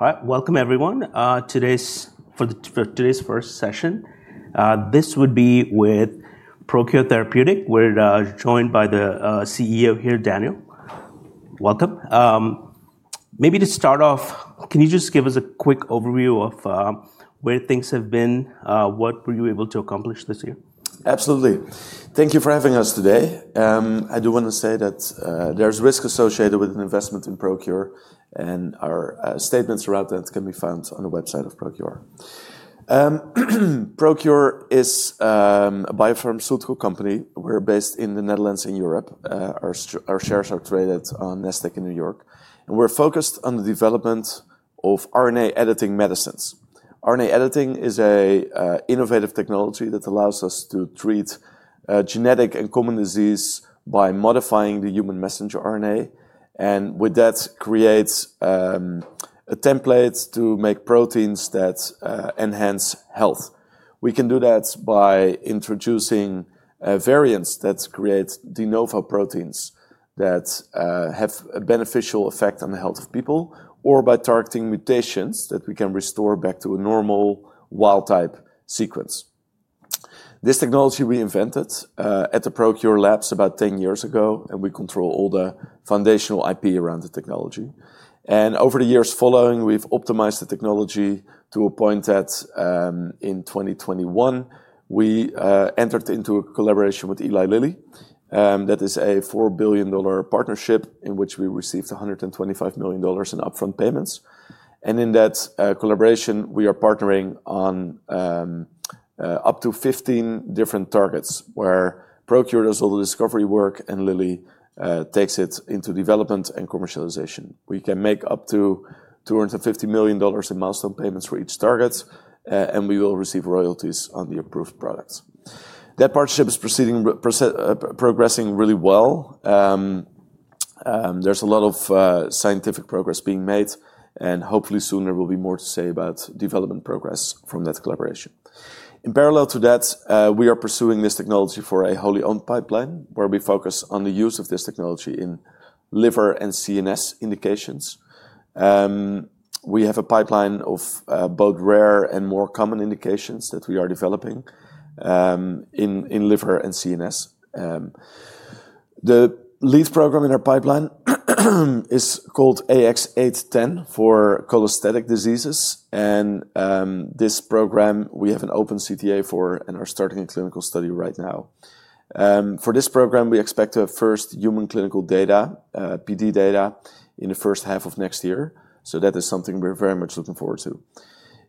All right, welcome everyone. Today's first session. This would be with ProQR Therapeutics. We're joined by the CEO here, Daniel. Welcome. Maybe to start off, can you just give us a quick overview of where things have been? What were you able to accomplish this year? Absolutely. Thank you for having us today. I do want to say that there's risk associated with an investment in ProQR, and our statements about that can be found on the website of ProQR. ProQR is a biopharmaceutical company. We're based in the Netherlands and Europe. Our shares are traded on Nasdaq in New York, and we're focused on the development of RNA editing medicines. RNA editing is an innovative technology that allows us to treat genetic and common disease by modifying the human messenger RNA. And with that creates a template to make proteins that enhance health. We can do that by introducing variants that create de novo proteins that have a beneficial effect on the health of people, or by targeting mutations that we can restore back to a normal wild-type sequence. This technology we invented, at the ProQR labs about 10 years ago, and we control all the foundational IP around the technology, and over the years following, we've optimized the technology to a point that, in 2021, we entered into a collaboration with Eli Lilly, that is a $4 billion partnership in which we received $125 million in upfront payments, and in that collaboration, we are partnering on up to 15 different targets where ProQR does all the discovery work, and Lilly takes it into development and commercialization. We can make up to $250 million in milestone payments for each target, and we will receive royalties on the approved products. That partnership is proceeding, progressing really well. There's a lot of scientific progress being made, and hopefully soon there will be more to say about development progress from that collaboration. In parallel to that, we are pursuing this technology for a wholly owned pipeline where we focus on the use of this technology in liver and CNS indications. We have a pipeline of, both rare and more common indications that we are developing, in, in liver and CNS. The lead program in our pipeline is called AX-0810 for cholestatic diseases. And, this program, we have an open CTA for and are starting a clinical study right now. For this program, we expect to have first human clinical data, PD data in the first half of next year. So that is something we're very much looking forward to.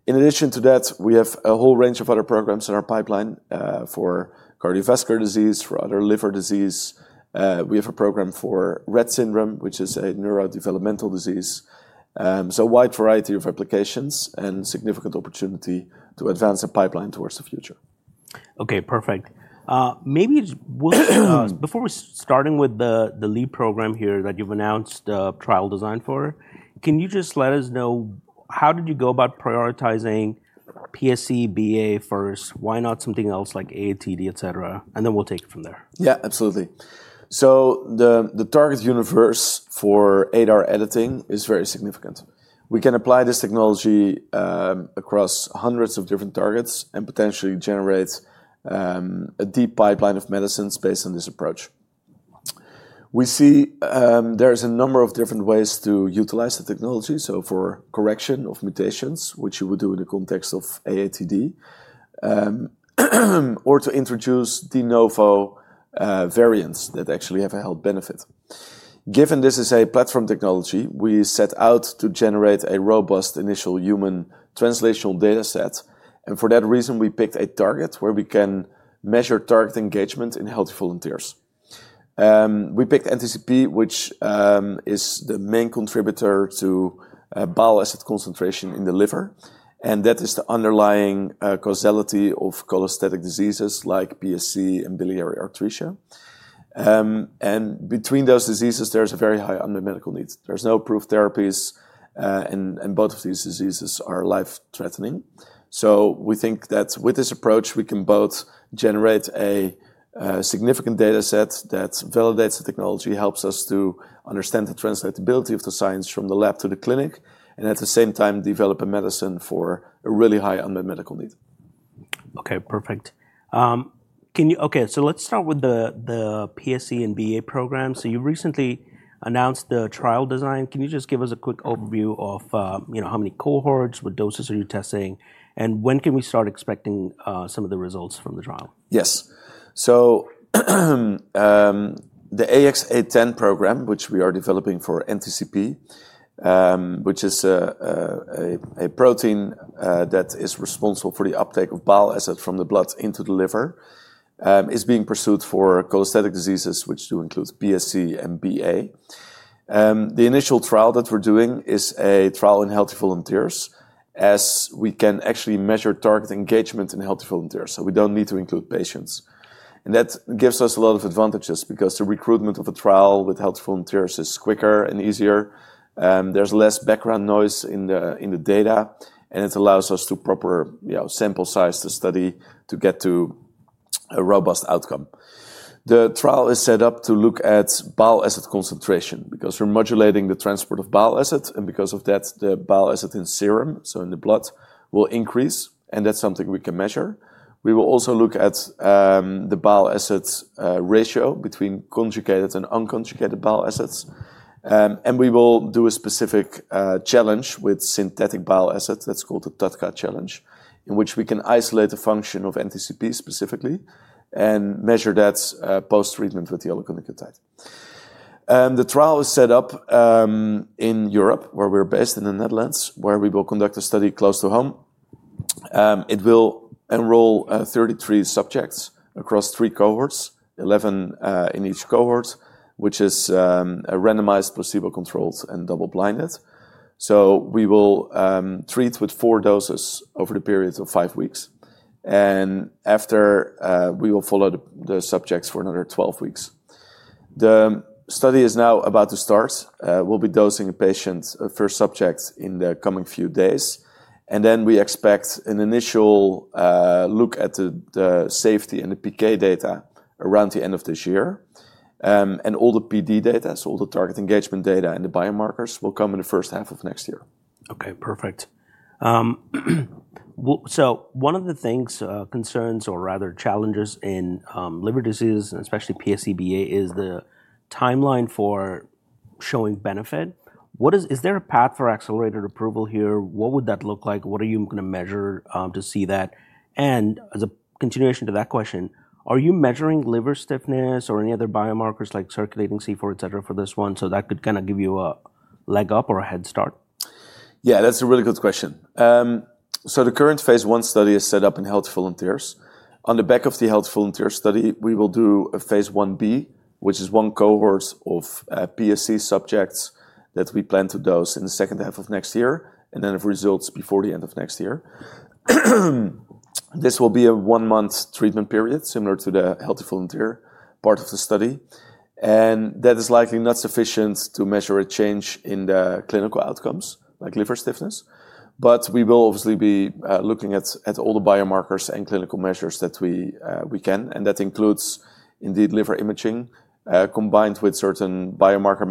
In addition to that, we have a whole range of other programs in our pipeline, for cardiovascular disease, for other liver disease. We have a program for Rett syndrome, which is a neurodevelopmental disease. So a wide variety of applications and significant opportunity to advance the pipeline toward the future. Okay, perfect. Maybe we'll, before we starting with the lead program here that you've announced, trial design for, can you just let us know how did you go about prioritizing PSC, BA first? Why not something else like AATD, et cetera? And then we'll take it from there. Yeah, absolutely. So the target universe for ADAR editing is very significant. We can apply this technology across hundreds of different targets and potentially generate a deep pipeline of medicines based on this approach. We see, there's a number of different ways to utilize the technology. So for correction of mutations, which you would do in the context of AATD, or to introduce de novo variants that actually have a health benefit. Given this is a platform technology, we set out to generate a robust initial human translational data set, and for that reason, we picked a target where we can measure target engagement in healthy volunteers. We picked NTCP, which is the main contributor to bile acid concentration in the liver. And that is the underlying causality of cholestatic diseases like PSC and biliary atresia, and between those diseases, there's a very high unmet medical need. There's no approved therapies, and both of these diseases are life threatening. We think that with this approach, we can both generate a significant data set that validates the technology, helps us to understand the translatability of the science from the lab to the clinic, and at the same time, develop a medicine for a really high unmet medical need. Okay, perfect. Okay, so let's start with the PSC and BA program. So you recently announced the trial design. Can you just give us a quick overview of, you know, how many cohorts, what doses are you testing, and when can we start expecting some of the results from the trial? Yes. So, the AX-0810 program, which we are developing for NTCP, which is a protein that is responsible for the uptake of bile acid from the blood into the liver, is being pursued for cholestatic diseases, which do include PSC and BA. The initial trial that we're doing is a trial in healthy volunteers, as we can actually measure target engagement in healthy volunteers. So we don't need to include patients. And that gives us a lot of advantages because the recruitment of a trial with healthy volunteers is quicker and easier. There's less background noise in the data, and it allows us to properly, you know, sample size the study to get to a robust outcome. The trial is set up to look at bile acid concentration because we're modulating the transport of bile acid, and because of that, the bile acid in serum, so in the blood, will increase, and that's something we can measure. We will also look at the bile acid ratio between conjugated and unconjugated bile acids, and we will do a specific challenge with synthetic bile acid. That's called the TUDCA challenge, in which we can isolate the function of NTCP specifically and measure that post-treatment with the oligonucleotide. The trial is set up in Europe, where we're based in the Netherlands, where we will conduct a study close to home. It will enroll 33 subjects across three cohorts, 11 in each cohort, which is a randomized placebo-controlled and double-blinded, so we will treat with four doses over the period of five weeks. After, we will follow the subjects for another 12 weeks. The study is now about to start. We'll be dosing a patient, a first subject in the coming few days. Then we expect an initial look at the safety and the PK data around the end of this year. All the PD data, so all the target engagement data and the biomarkers, will come in the first half of next year. Okay, perfect. Well, so one of the things, concerns or rather challenges in liver disease, and especially PSC/BA, is the timeline for showing benefit. Is there a path for accelerated approval here? What would that look like? What are you gonna measure to see that? And as a continuation to that question, are you measuring liver stiffness or any other biomarkers like circulating C4, et cetera, for this one? So that could kind of give you a leg up or a head start. Yeah, that's a really good question. So the current phase 1 study is set up in healthy volunteers. On the back of the healthy volunteer study, we will do a phase 1b, which is one cohort of PSC subjects that we plan to dose in the second half of next year and then have results before the end of next year. This will be a one-month treatment period, similar to the healthy volunteer part of the study. And that is likely not sufficient to measure a change in the clinical outcomes, like liver stiffness. But we will obviously be looking at all the biomarkers and clinical measures that we can. And that includes indeed liver imaging, combined with certain biomarker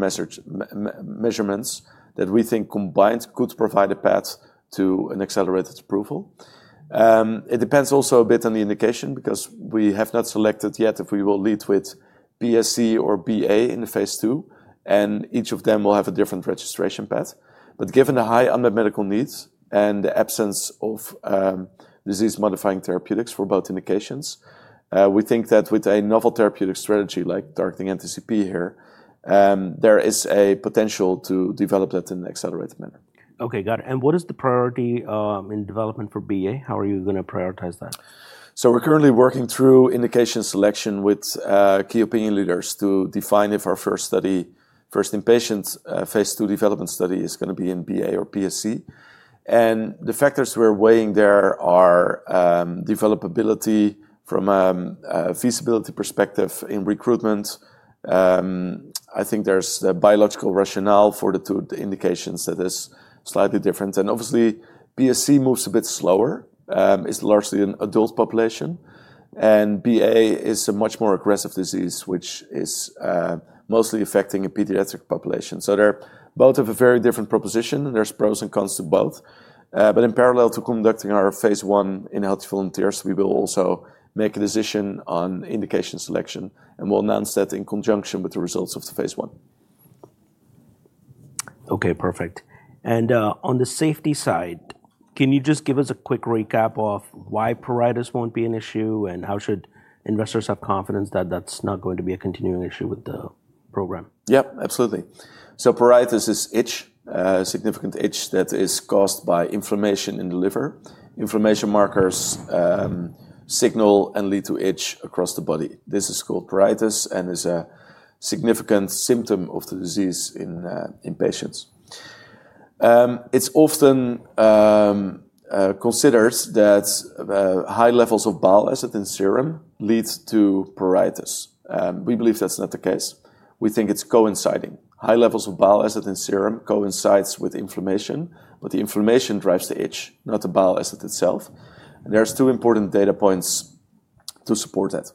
measurements that we think combined could provide a path to an accelerated approval. It depends also a bit on the indication because we have not selected yet if we will lead with PSC or BA in the phase 2, and each of them will have a different registration path. But given the high unmet medical needs and the absence of disease-modifying therapeutics for both indications, we think that with a novel therapeutic strategy like targeting NTCP here, there is a potential to develop that in an accelerated manner. Okay, got it. And what is the priority, in development for BA? How are you gonna prioritize that? We're currently working through indication selection with key opinion leaders to define if our first study, first in patients, phase 2 development study is gonna be in BA or PSC. The factors we're weighing there are developability from a feasibility perspective in recruitment. I think there's the biological rationale for the two indications that is slightly different. Obviously, PSC moves a bit slower, is largely an adult population. BA is a much more aggressive disease, which is mostly affecting a pediatric population. They're both of a very different proposition, and there's pros and cons to both. In parallel to conducting our phase 1 in healthy volunteers, we will also make a decision on indication selection, and we'll announce that in conjunction with the results of the phase 1. Okay, perfect. And, on the safety side, can you just give us a quick recap of why pruritus won't be an issue and how should investors have confidence that that's not going to be a continuing issue with the program? Yep, absolutely. So pruritus is itch, significant itch that is caused by inflammation in the liver. Inflammation markers signal and lead to itch across the body. This is called pruritus and is a significant symptom of the disease in patients. It's often considered that high levels of bile acid in serum lead to pruritus. We believe that's not the case. We think it's coinciding. High levels of bile acid in serum coincide with inflammation, but the inflammation drives the itch, not the bile acid itself. And there's two important data points to support that.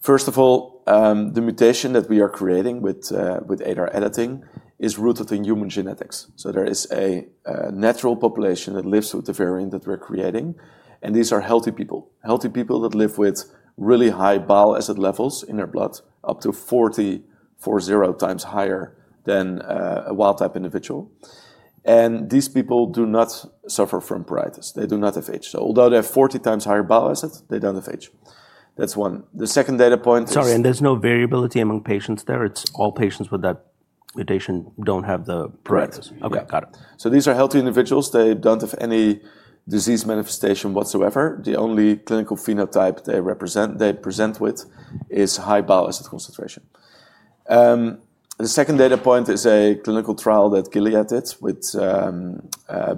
First of all, the mutation that we are creating with ADR editing is rooted in human genetics. So there is a natural population that lives with the variant that we're creating, and these are healthy people, healthy people that live with really high bile acid levels in their blood, up to 40, 40x higher than a wild-type individual. And these people do not suffer from pruritus. They do not have itch. So although they have 40x higher bile acid, they don't have itch. That's one. The second data point is. Sorry, and there's no variability among patients there. It's all patients with that mutation don't have the pruritus. Right. Okay, got it. These are healthy individuals. They don't have any disease manifestation whatsoever. The only clinical phenotype they present with is high bile acid concentration. The second data point is a clinical trial that Gilead did with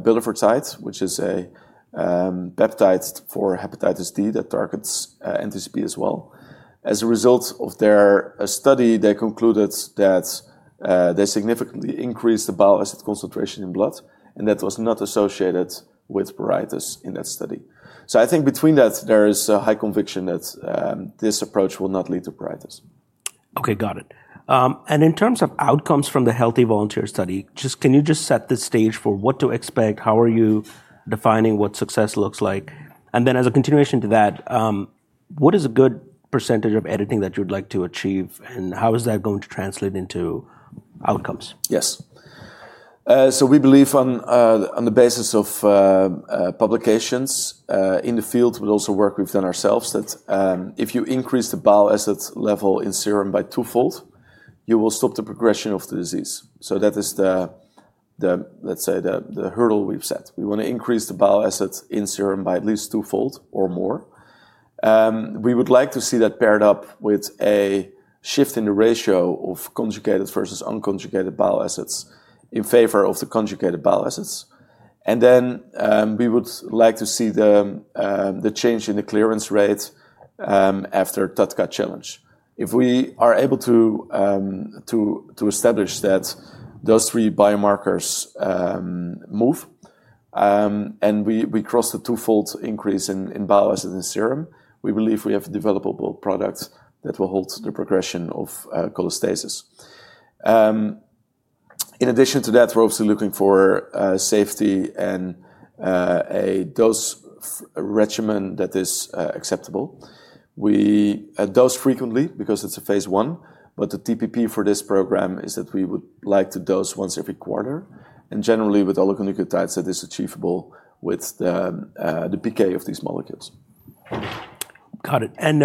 bulevirtide, which is a peptide for Hepatitis D that targets NTCP as well. As a result of their study, they concluded that they significantly increased the bile acid concentration in blood, and that was not associated with pruritus in that study. I think between that, there is a high conviction that this approach will not lead to pruritus. Okay, got it, and in terms of outcomes from the healthy volunteer study, just, can you just set the stage for what to expect? How are you defining what success looks like? And then as a continuation to that, what is a good percentage of editing that you'd like to achieve, and how is that going to translate into outcomes? Yes. We believe on the basis of publications in the field. We also work within ourselves that if you increase the bile acid level in serum by twofold, you will stop the progression of the disease, so that is the hurdle we've set. We wanna increase the bile acid in serum by at least twofold or more. We would like to see that paired up with a shift in the ratio of conjugated versus unconjugated bile acids in favor of the conjugated bile acids, and then we would like to see the change in the clearance rate after TUDCA challenge. If we are able to establish that those three biomarkers move and we cross the twofold increase in bile acid in serum, we believe we have a developable product that will hold the progression of cholestasis. In addition to that, we're obviously looking for safety and a dose regimen that is acceptable. We dose frequently because it's a phase 1, but the TPP for this program is that we would like to dose once every quarter. And generally with oligonucleotides, that is achievable with the PK of these molecules. Got it. And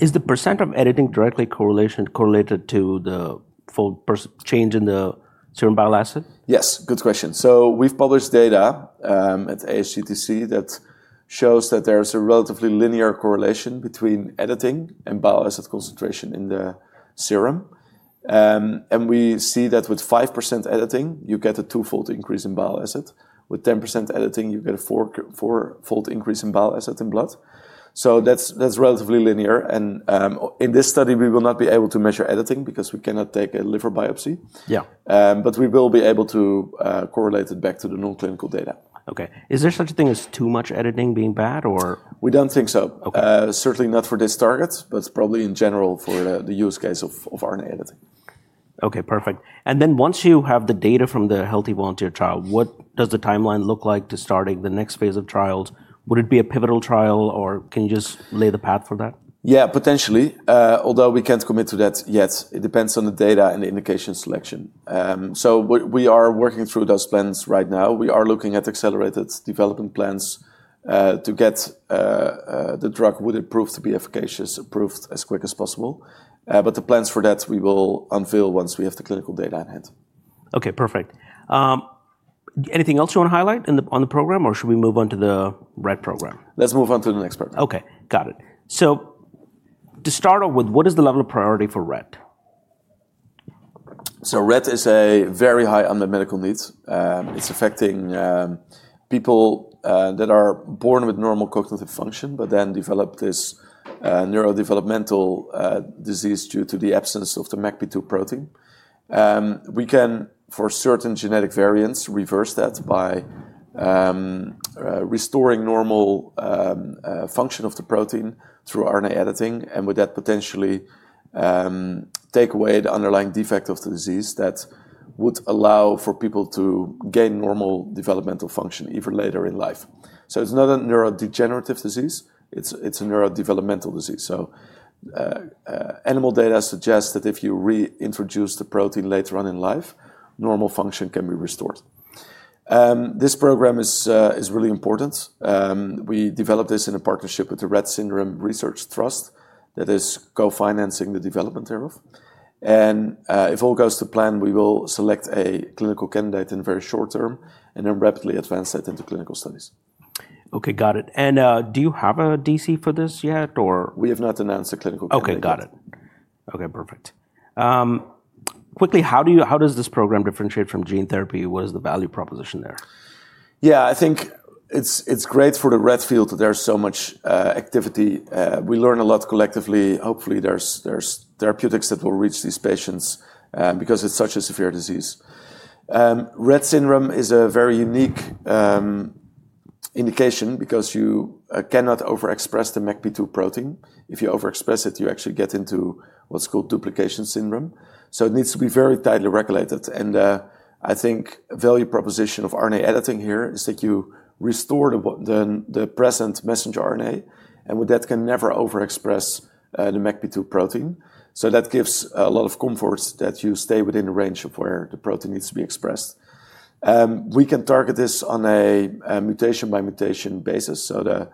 is the % of editing directly correlated to the full change in the serum bile acid? Yes, good question. So we've published data, at ASGCT that shows that there's a relatively linear correlation between editing and bile acid concentration in the serum. And we see that with 5% editing, you get a twofold increase in bile acid. With 10% editing, you get a four, four-fold increase in bile acid in blood. So that's, that's relatively linear. And, in this study, we will not be able to measure editing because we cannot take a liver biopsy. Yeah. But we will be able to correlate it back to the non-clinical data. Okay. Is there such a thing as too much editing being bad or? We don't think so. Okay. Certainly not for this target, but probably in general for the use case of RNA editing. Okay, perfect. And then once you have the data from the healthy volunteer trial, what does the timeline look like to starting the next phase of trials? Would it be a pivotal trial or can you just lay the path for that? Yeah, potentially. Although we can't commit to that yet, it depends on the data and the indication selection, so we are working through those plans right now. We are looking at accelerated development plans to get the drug approved if it proves to be efficacious as quick as possible, but the plans for that we will unveil once we have the clinical data in hand. Okay, perfect. Anything else you wanna highlight on the program or should we move on to the Rett program? Let's move on to the next program. Okay, got it. So to start off with, what is the level of priority for Rett? So Rett is a very high unmet medical need. It's affecting people that are born with normal cognitive function, but then develop this neurodevelopmental disease due to the absence of the MECP2 protein. We can, for certain genetic variants, reverse that by restoring normal function of the protein through RNA editing. And with that, potentially, take away the underlying defect of the disease that would allow for people to gain normal developmental function even later in life. So it's not a neurodegenerative disease. It's a neurodevelopmental disease. So animal data suggests that if you reintroduce the protein later on in life, normal function can be restored. This program is really important. We developed this in a partnership with the Rett Syndrome Research Trust that is co-financing the development thereof. If all goes to plan, we will select a clinical candidate in very short term and then rapidly advance that into clinical studies. Okay, got it, and do you have a DC for this yet or? We have not announced a clinical candidate. Okay, got it. Okay, perfect. Quickly, how do you, how does this program differentiate from gene therapy? What is the value proposition there? Yeah, I think it's great for the Rett field that there's so much activity. We learn a lot collectively. Hopefully there's therapeutics that will reach these patients, because it's such a severe disease. Rett syndrome is a very unique indication because you cannot overexpress the MECP2 protein. If you overexpress it, you actually get into what's called duplication syndrome. So it needs to be very tightly regulated. And, I think the value proposition of RNA editing here is that you restore the present messenger RNA, and with that can never overexpress the MECP2 protein. So that gives a lot of comfort that you stay within the range of where the protein needs to be expressed. We can target this on a mutation by mutation basis. So the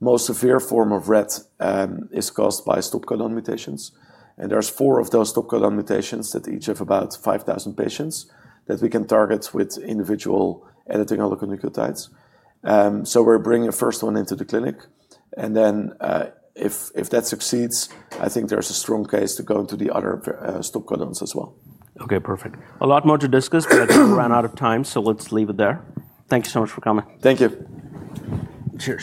most severe form of Rett is caused by stop codon mutations. And there's four of those stop codon mutations that each have about 5,000 patients that we can target with individual editing oligonucleotides. So we're bringing a first one into the clinic. And then, if that succeeds, I think there's a strong case to go into the other stop codons as well. Okay, perfect. A lot more to discuss, but I ran out of time, so let's leave it there. Thank you so much for coming. Thank you. Cheers.